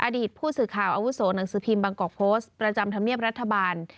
อดีตผู้สื่อข่าวอาวุโสหนังสือพิมพ์บางกอกโพสต์ประจำธรรมเนียบรัฐบาล